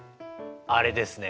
あれですね。